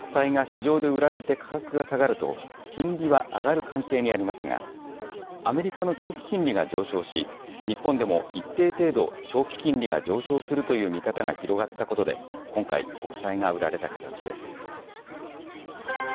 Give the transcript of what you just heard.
国債が市場で売られて価格が下がると、金利は上がる関係にありますが、アメリカの長期金利が上昇し、日本でも一定程度、長期金利が上昇するという見方が広がったことで、今回、国債が売られた形です。